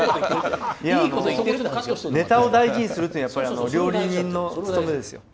ネタを大事にするってやっぱり料理人の務めですよ。